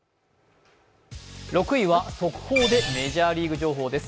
６位は速報でメジャーリーグ情報です。